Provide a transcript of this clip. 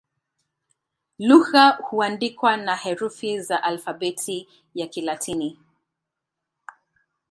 Lugha huandikwa na herufi za Alfabeti ya Kilatini.